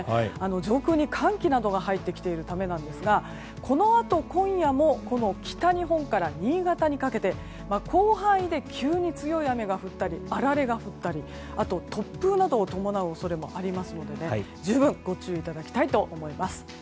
上空に寒気などが入ってきているためなんですがこのあと今夜も北日本から新潟にかけて広範囲で急に強い雨が降ったりあられが降ったりあと、突風などを伴う恐れもありますので十分ご注意いただきたいと思います。